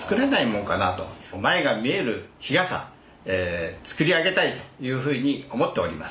前が見える日傘作り上げたいというふうに思っております。